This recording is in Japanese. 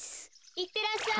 いってらっしゃい。